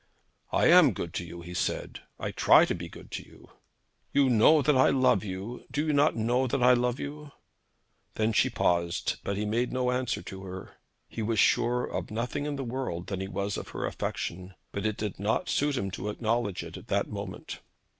'I am good to you,' he said. 'I try to be good to you.' 'You know that I love you. Do you not know that I love you?' Then she paused, but he made no answer to her. He was surer of nothing in the world than he was of her affection; but it did not suit him to acknowledge it at that moment.